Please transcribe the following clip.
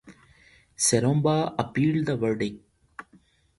Seromba appealed the verdict.